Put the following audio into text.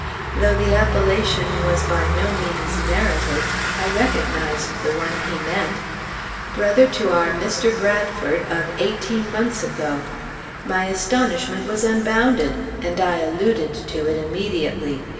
Though the appellation was by no means merited, I recognized the one he meant. Brother to our Mr. Bradford of eighteen months ago! My astonishment was unbounded, and I alluded to it immediately.